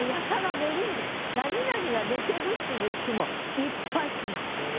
「なになにが寝てる」っていう句もいっぱい来ました。